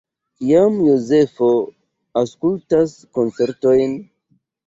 Kiam Jozefo aŭskultas koncertojn?